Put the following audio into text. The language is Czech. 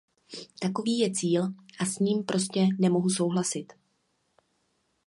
Takový je cíl, a s ním prostě nemohu souhlasit.